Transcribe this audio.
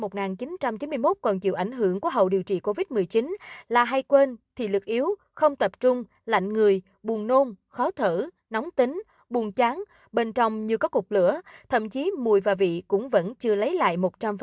năm một nghìn chín trăm chín mươi một còn chịu ảnh hưởng của hậu điều trị covid một mươi chín là hay quên thì lực yếu không tập trung lạnh người buồn nôn khó thở nóng tính buồn chán bên trong như có cục lửa thậm chí mùi và vị cũng vẫn chưa lấy lại một trăm linh